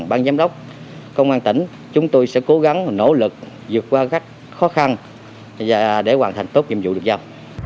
bang giám đốc công an tỉnh chúng tôi sẽ cố gắng nỗ lực dược qua các khó khăn để hoàn thành tốt nhiệm vụ được sao